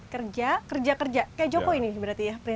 kerja kerja kayak joko ini berarti ya